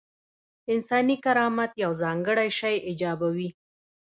انساني کرامت یو ځانګړی شی ایجابوي.